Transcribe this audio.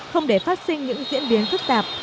không để phát sinh những diễn biến phức tạp